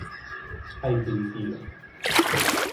¡Hai que dicilo!